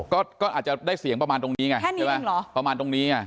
แล้วก็จะได้เสียงประมาณตรงนี้